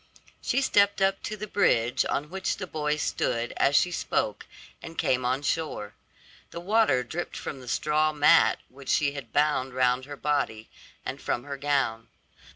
She stepped up to the bridge on which the boy stood as she spoke, and came on shore. The water dripped from the straw mat which she had bound round her body, and from her gown.